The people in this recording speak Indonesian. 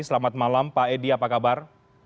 selamat malam pak edi apa kabar